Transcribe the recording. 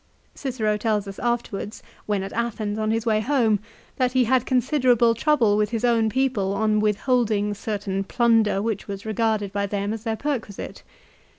Cicero tells us afterwards when at Athens on his way home, that he had considerable trouble with his own people on withholding certain plunder which was regarded by them as their perquisite.